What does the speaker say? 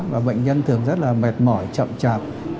và bệnh nhân thường rất là mệt mỏi chậm chạp